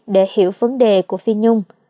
để hiểu vấn đề của phi nhung